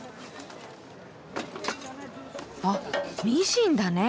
あっミシンだね。